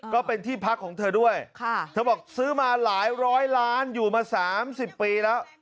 ก็เป็นที่พักของเธอด้วยเธอบอกซื้อมาหลายร้อยล้านอยู่มา๓๐ปีแล้ว